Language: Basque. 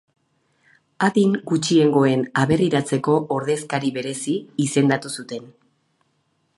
Adin gutxiengoen aberriratzeko ordezkari berezi izendatu zuten.